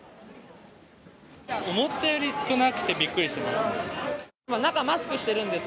思ったより少なくてびっくりしてます。